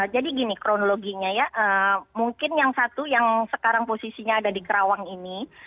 jadi gini kronologinya ya mungkin yang satu yang sekarang posisinya ada di kerawang ini